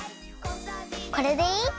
これでいい？